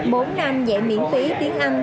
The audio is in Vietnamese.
bốn anh dạy miễn phí tiếng anh